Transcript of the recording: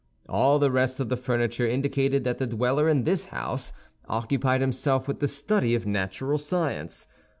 All the rest of the furniture indicated that the dweller in this house occupied himself with the study of natural science.